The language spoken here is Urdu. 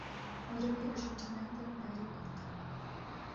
مغربی ارجنٹینا کا معیاری وقت